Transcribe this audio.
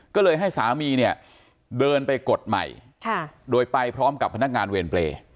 ก็เลยให้สามีเนี่ยเดินไปกดใหม่โดยไปพร้อมกับพนักงานเวรเปรย์